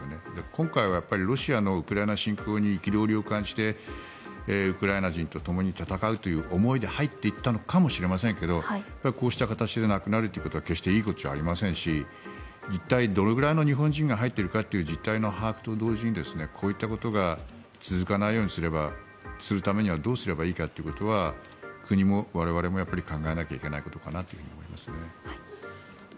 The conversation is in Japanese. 今回はロシアのウクライナ侵攻に憤りを感じてウクライナ人とともに戦うという思いで入っていったのかもしれませんけどこうした形で亡くなることは決していいことではありませんし一体どのくらいの日本人が入っているかという実態の把握と同時にこういったことが続かないようにするためにはどうすればいいかということは国も我々も考えなきゃいけないことかと思いますね。